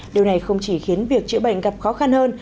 điều này không chỉ khiến việc chữa bệnh gặp khó khăn hơn